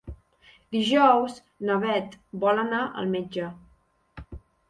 Dijous na Beth vol anar al metge.